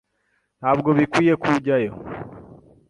Ntabwo bikwiye kujyayo.